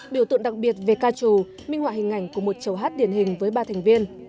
biểu tượng đặc biệt về ca trù minh họa hình ảnh của một chầu hát điển hình với ba thành viên